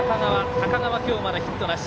高川、今日ヒットなし。